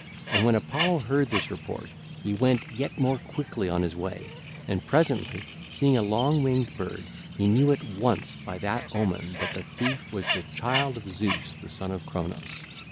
And when Apollo heard this report, he went yet more quickly on his way, and presently, seeing a long winged bird, he knew at once by that omen that thief was the child of Zeus the son of Cronos.